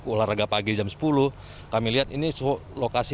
olahraga pagi jam sepuluh kami lihat ini lokasi